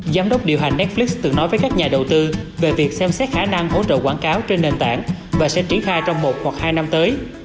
giám đốc điều hành netflix từng nói với các nhà đầu tư về việc xem xét khả năng hỗ trợ quảng cáo trên nền tảng và sẽ triển khai trong một hoặc hai năm tới